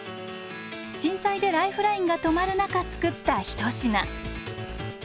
震災でライフラインが止まる中作った一品。